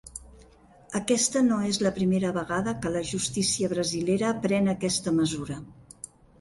Aquesta no és la primera vegada que la justícia brasilera pren aquesta mesura.